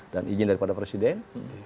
dan izin daripada presiden